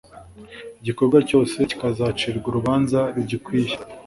igikorwa cyose kikazacirwa urubanza rugikwiye